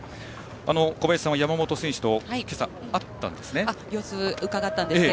小林さんは山本選手と今朝会ったんですね。